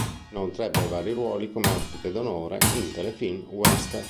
Inoltre, ebbe vari ruoli come ospite d'onore in telefilm western.